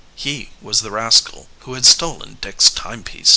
He was the rascal who had stolen Dick's timepiece.